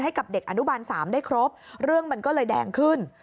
ให้กับเด็กอนุบาล๓ได้ครบเรื่องมันก็เลยแดงขึ้น